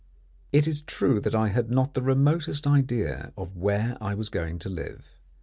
It is true that I had not the remotest idea of where I was going to live.